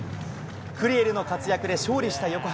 クリエルの活躍で勝利した横浜。